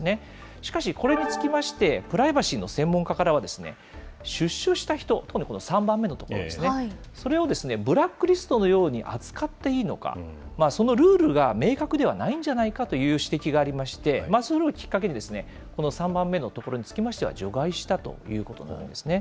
しかし、これにつきまして、プライバシーの専門家からは、出所した人、特にこの３番目のところですね、それをブラックリストのように扱っていいのか、そのルールが明確ではないんじゃないかという指摘がありまして、それをきっかけにですね、この３番目のところにつきましては除外したということなんですね。